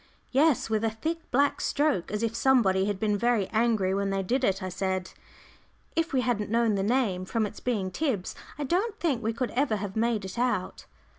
"Yes, with a thick black stroke, as if somebody had been very angry when they did it," I said. "If we hadn't known the name, from its being Tib's, I don't think we could ever have made it out."